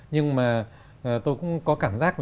nhưng mà tôi cũng có cảm giác